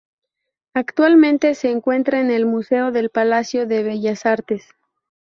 Actualmente se encuentra en el Museo del Palacio de Bellas Artes.